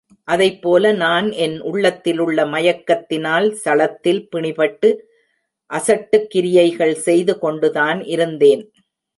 அதைப் போல நான் என் உள்ளத்திலுள்ள மயக்கத்தினால் சளத்தில் பிணிபட்டு அசட்டுக் கிரியைகள் செய்து கொண்டுதான் இருந்தேன்.